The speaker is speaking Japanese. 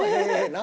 な。